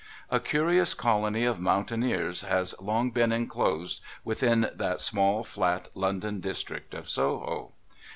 A curious colony of mountaineers has long been enclosed within that small flat London district of Soho.